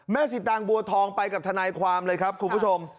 สิตางบัวทองไปกับทนายความเลยครับคุณผู้ชม